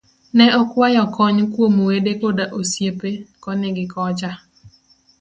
Ne okwayo kony kuom wede koda osiepe koni gikocha